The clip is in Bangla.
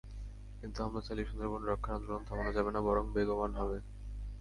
কিন্তু হামলা চালিয়ে সুন্দরবন রক্ষার আন্দোলন থামানো যাবে না, বরং বেগবান হবে।